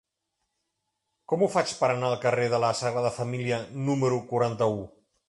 Com ho faig per anar al carrer de la Sagrada Família número quaranta-u?